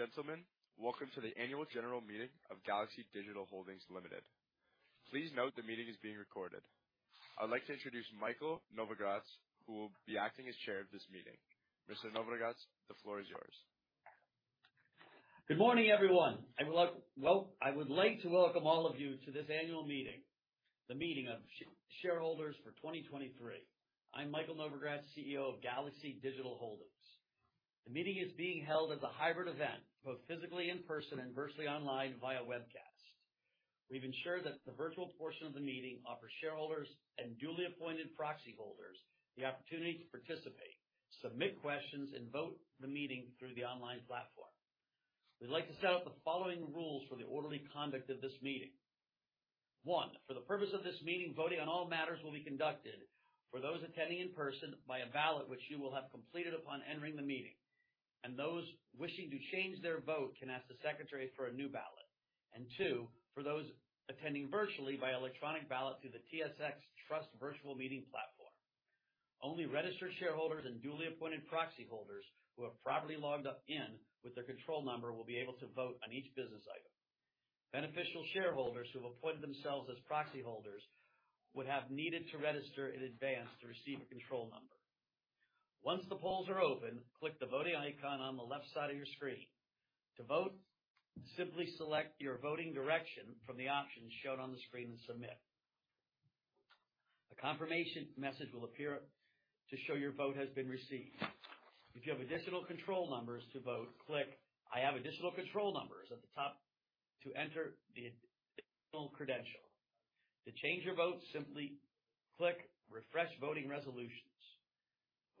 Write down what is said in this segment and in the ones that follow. Ladies and gentlemen, welcome to the Annual General Meeting of Galaxy Digital Holdings Ltd. Please note the meeting is being recorded. I'd like to introduce Michael Novogratz, who will be acting as chair of this meeting. Mr. Novogratz, the floor is yours. Good morning, everyone, well, I would like to welcome all of you to this annual meeting, the meeting of shareholders for 2023. I'm Michael Novogratz, CEO of Galaxy Digital Holdings. The meeting is being held as a hybrid event, both physically in person and virtually online via webcast. We've ensured that the virtual portion of the meeting offers shareholders and duly appointed proxy holders the opportunity to participate, submit questions, and vote the meeting through the online platform. We'd like to set out the following rules for the orderly conduct of this meeting. 1, for the purpose of this meeting, voting on all matters will be conducted for those attending in person by a ballot, which you will have completed upon entering the meeting, and those wishing to change their vote can ask the secretary for a new ballot. 2, for those attending virtually by electronic ballot through the TSX Trust virtual meeting platform. Only registered shareholders and duly appointed proxy holders who have properly logged up in with their control number will be able to vote on each business item. Beneficial shareholders who appointed themselves as proxy holders would have needed to register in advance to receive a control number. Once the polls are open, click the Voting icon on the left side of your screen. To vote, simply select your voting direction from the options shown on the screen and submit. A confirmation message will appear to show your vote has been received. If you have additional control numbers to vote, click I Have Additional Control Numbers at the top to enter the additional credential. To change your vote, simply click Refresh Voting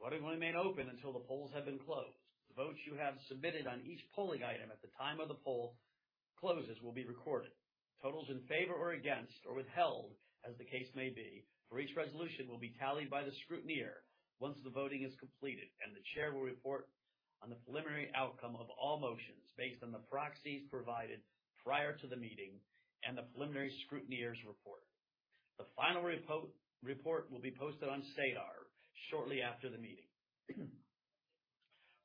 Resolutions. Voting will remain open until the polls have been closed. The votes you have submitted on each polling item at the time of the poll closes will be recorded. Totals in favor or against, or withheld as the case may be, for each resolution, will be tallied by the scrutineer once the voting is completed, and the chair will report on the preliminary outcome of all motions based on the proxies provided prior to the meeting and the preliminary scrutineer's report. The final report will be posted on SEDAR shortly after the meeting.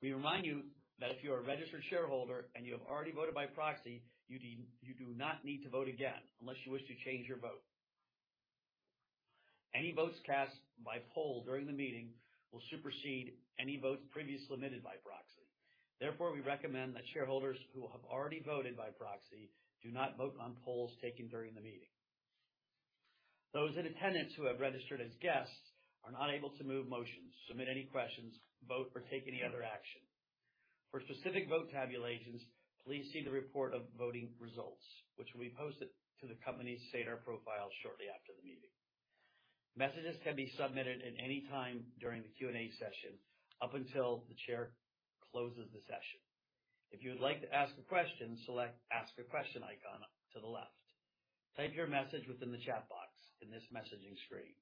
We remind you that if you are a registered shareholder and you have already voted by proxy, you do not need to vote again unless you wish to change your vote. Any votes cast by poll during the meeting will supersede any votes previously submitted by proxy. Therefore, we recommend that shareholders who have already voted by proxy do not vote on polls taken during the meeting. Those in attendance who have registered as guests are not able to move motions, submit any questions, vote, or take any other action. For specific vote tabulations, please see the report of voting results, which will be posted to the company's SEDAR profile shortly after the meeting. Messages can be submitted at any time during the Q&A session, up until the chair closes the session. If you would like to ask a question, select Ask a Question icon to the left. Type your message within the chat box in this messaging screen.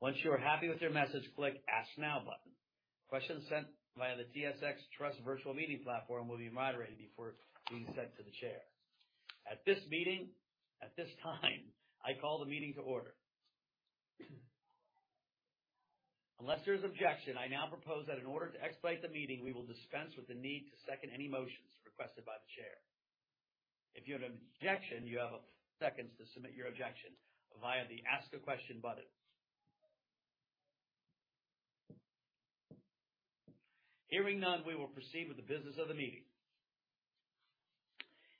Once you are happy with your message, click Ask Now button. Questions sent via the TSX Trust virtual meeting platform will be moderated before being sent to the chair. At this meeting... At this time, I call the meeting to order. Unless there's objection, I now propose that in order to expedite the meeting, we will dispense with the need to second any motions requested by the chair. If you have an objection, you have a few seconds to submit your objection via the Ask a Question button. Hearing none, we will proceed with the business of the meeting.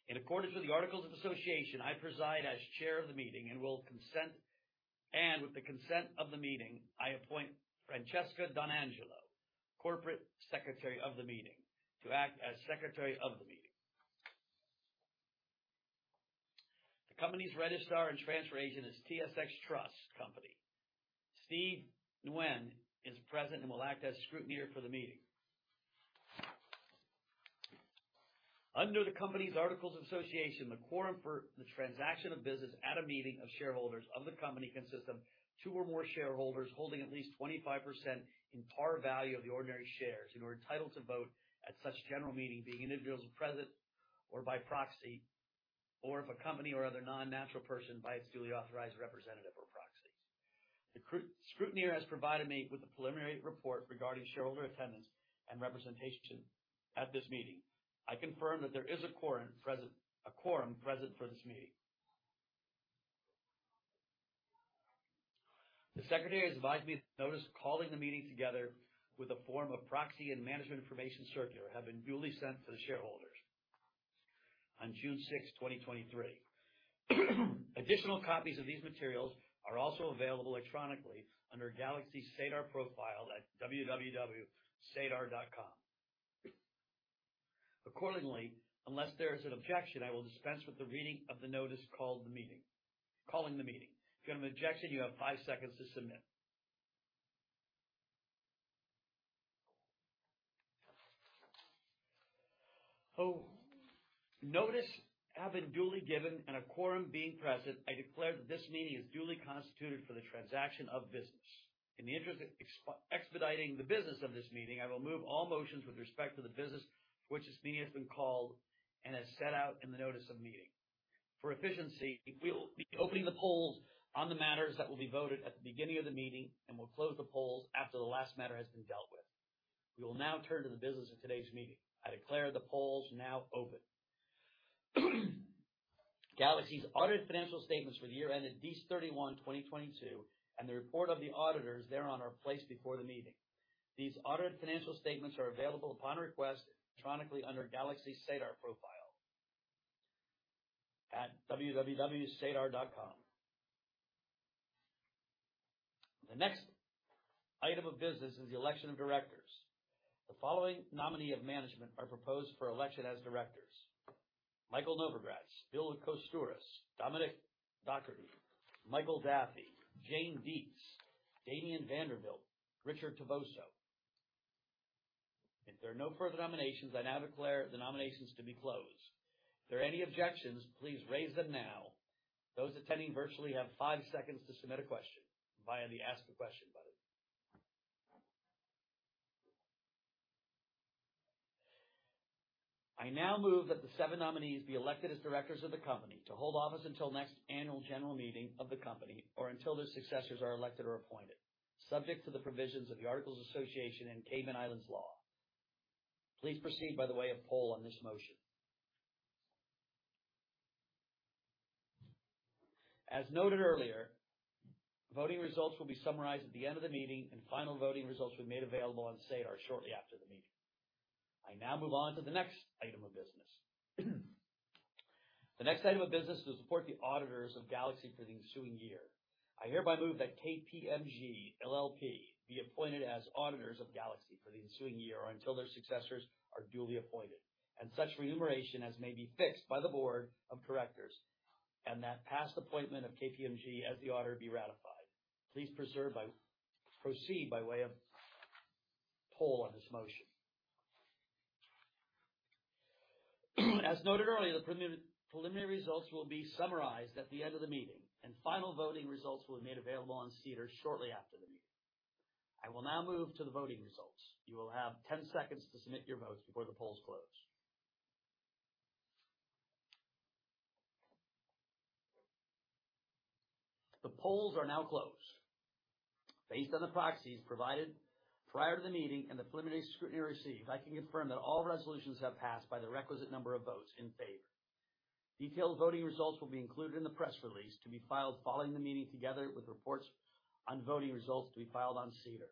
In accordance with the Articles of Association, I preside as chair of the meeting. With the consent of the meeting, I appoint Francesca DonAngelo, corporate secretary of the meeting, to act as secretary of the meeting. The company's registrar and transfer agent is TSX Trust Company. Steve Nguyen is present and will act as scrutineer for the meeting. Under the company's Articles of Association, the quorum for the transaction of business at a meeting of shareholders of the company consists of two or more shareholders holding at least 25% in par value of the ordinary shares and are entitled to vote at such general meeting, being individuals present or by proxy, or if a company or other non-natural person, by its duly authorized representative or proxy. The scrutineer has provided me with a preliminary report regarding shareholder attendance and representation at this meeting. I confirm that there is a quorum present for this meeting. The secretary has advised me of the notice calling the meeting together with a form of proxy and management information circular have been duly sent to the shareholders on June sixth, 2023. Additional copies of these materials are also available electronically under Galaxy's SEDAR profile at www.sedar.com. Accordingly, unless there is an objection, I will dispense with the reading of the notice calling the meeting. If you have an objection, you have five seconds to submit. Notice having duly given and a quorum being present, I declare that this meeting is duly constituted for the transaction of business. In the interest of expediting the business of this meeting, I will move all motions with respect to the business for which this meeting has been called and as set out in the notice of meeting. For efficiency, we will be opening the polls on the matters that will be voted at the beginning of the meeting, and we'll close the polls after the last matter has been dealt with. We will now turn to the business of today's meeting. I declare the polls now open. Galaxy's audited financial statements for the year ended December 31, 2022, and the report of the auditors thereon are placed before the meeting. These audited financial statements are available upon request electronically under Galaxy's SEDAR profile at www.sedar.com. The next item of business is the election of directors. The following nominee of management are proposed for election as directors: Michael Novogratz, Bill Koutsouras, Dominic Doherty, Michael Daffey, Jane Dietze, Damien Vanderwilt, Richard Tavoso. If there are no further nominations, I now declare the nominations to be closed. If there are any objections, please raise them now. Those attending virtually have 5 seconds to submit a question via the Ask a Question button. I now move that the seven nominees be elected as directors of the company to hold office until next annual general meeting of the company, or until their successors are elected or appointed, subject to the provisions of the Articles of Association and Cayman Islands law. Please proceed by the way of poll on this motion. As noted earlier, voting results will be summarized at the end of the meeting. Final voting results will be made available on SEDAR shortly after the meeting. I now move on to the next item of business. The next item of business is to support the auditors of Galaxy for the ensuing year. I hereby move that KPMG LLP be appointed as auditors of Galaxy for the ensuing year, or until their successors are duly appointed, and such remuneration as may be fixed by the Board of Directors, and that past appointment of KPMG as the auditor be ratified. Please proceed by way of poll on this motion. As noted earlier, the preliminary results will be summarized at the end of the meeting, final voting results will be made available on SEDAR shortly after the meeting. I will now move to the voting results. You will have 10 seconds to submit your votes before the polls close. The polls are now closed. Based on the proxies provided prior to the meeting and the preliminary scrutiny received, I can confirm that all resolutions have passed by the requisite number of votes in favor. Detailed voting results will be included in the press release to be filed following the meeting, together with reports on voting results to be filed on SEDAR.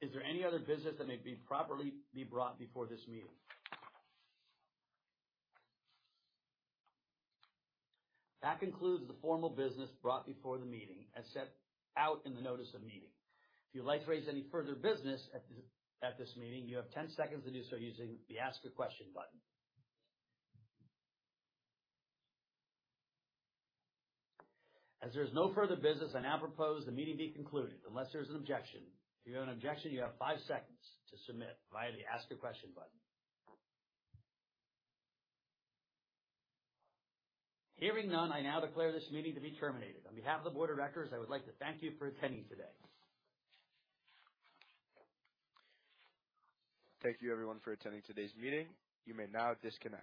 Is there any other business that may be properly be brought before this meeting? That concludes the formal business brought before the meeting, as set out in the notice of meeting. If you'd like to raise any further business at this meeting, you have 10 seconds to do so using the Ask a Question button. There's no further business, I now propose the meeting be concluded, unless there's an objection. If you have an objection, you have 5 seconds to submit via the Ask a Question button. Hearing none, I now declare this meeting to be terminated. On behalf of the Board of Directors, I would like to thank you for attending today. Thank you, everyone, for attending today's meeting. You may now disconnect.